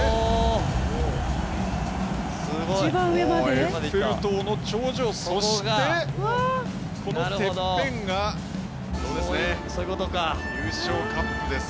エッフェル塔の頂上そして、このてっぺんが優勝カップです。